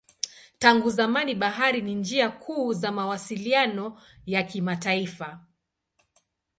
Tangu zamani bahari ni njia kuu za mawasiliano ya kimataifa.